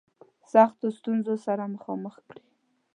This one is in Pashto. سختو ستونزو سره مخامخ کړي.